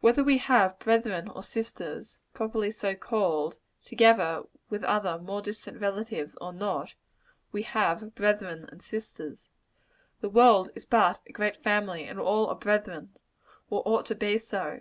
Whether we have brethren or sisters, properly so called, together with other more distant relatives, or not, we have brethren and sisters. The world is but a great family; and all are brethren, or ought to be so.